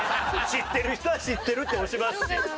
知ってる人は知ってるって押しますし。